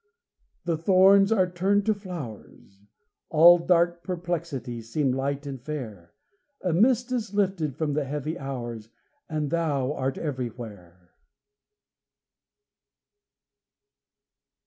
The thorns are turned to flowers, All dark perplexities seem light and fair, A mist is lifted from the heavy hours, And Thou art everywhere.